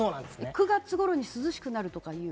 ９月頃に涼しくなるとかいう。